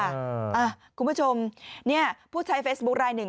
คุณผู้ชมเนี่ยผู้ใช้เฟซบุ๊คลายหนึ่ง